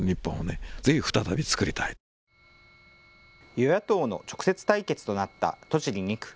与野党の直接対決となったなった栃木２区。